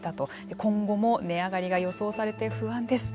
今後も値上がりが予想されて不安ですという声。